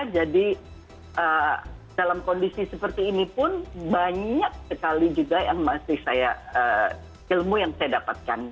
jadi dalam kondisi seperti ini pun banyak sekali juga yang masih saya ilmu yang saya dapatkan